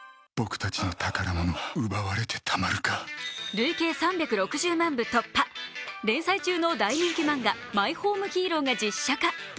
累計３６０万部突破、連載中の大人気漫画、「マイホームヒーロー」が実写化。